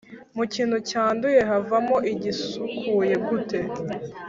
Mu kintu cyanduye havamo igisukuye gute,